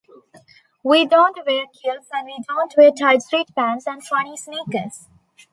We don't wear kilts and we don't wear tight sweatpants and funny sneakers.